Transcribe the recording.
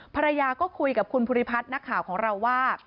ภรรยาก็คุยกับคุณภูริพัฒน์นักข่าวของเราว่า